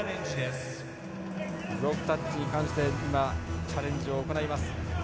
ブロックタッチに関してチャレンジを行います。